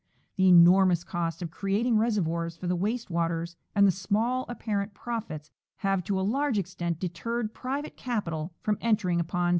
The enormous cost of creating reservoirs for the waste waters and the small apparent profits have to a large extent deterred private capital from entering upon such projects.